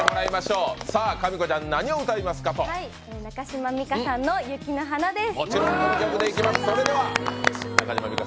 中島美嘉さんの「雪の華」です。